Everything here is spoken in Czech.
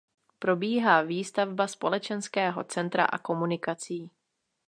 Probíhá výstavba společenského centra a komunikací.